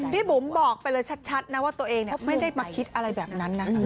บุ๋มบอกไปเลยชัดนะว่าตัวเองไม่ได้มาคิดอะไรแบบนั้นนะ